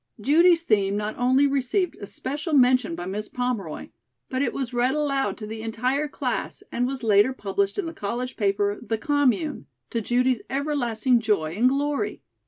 Judy's theme not only received especial mention by Miss Pomeroy, but it was read aloud to the entire class and was later published in the college paper, The Commune, to Judy's everlasting joy and glory.